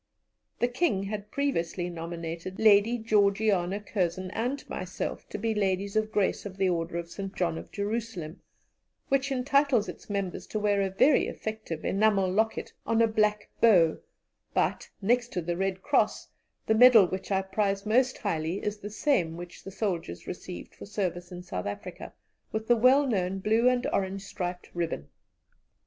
The King had previously nominated Lady Georgiana Curzon and myself to be Ladies of Grace of the Order of St. John of Jerusalem, which entitles its members to wear a very effective enamel locket on a black bow; but, next to the Red Cross, the medal which I prize most highly is the same which the soldiers received for service in South Africa, with the well known blue and orange striped ribbon.